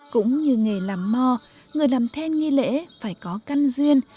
cũng như nghề làm mò người làm then nghi lễ phải có căn duyên